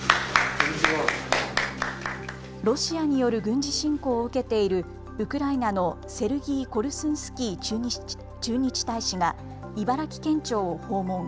ロシアによる軍事侵攻を受けているウクライナのセルギー・コルスンスキー駐日大使が茨城県庁を訪問。